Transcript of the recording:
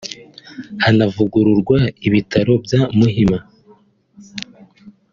hanavugururwa ibitaro bya Muhima